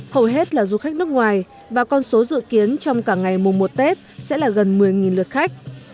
hầu hết là du khách nước ngoài và con số dự kiến trong cả ngày mùng một tết sẽ là gần một mươi lượt khách